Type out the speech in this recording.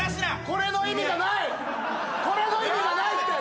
これの意味がないって！